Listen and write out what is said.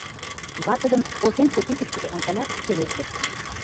Ватыжын ошемше тӱсышкыжӧ ончалят, пелештыш: